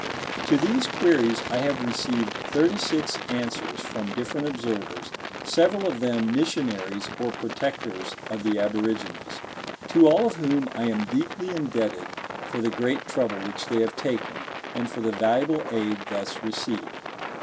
To these queries I have received thirty six answers from different observers, several of them missionaries or protectors of the aborigines, to all of whom I am deeply indebted for the great trouble which they have taken, and for the valuable aid thus received.